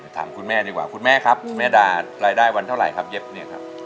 ถามคุณแม่ดีกว่าคุณแม่ครับคุณแม่ดารายได้วันเท่าไหร่ครับเย็บเนี่ยครับ